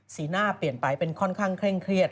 หน้าเปลี่ยนไปเป็นค่อนข้างเคร่งเครียด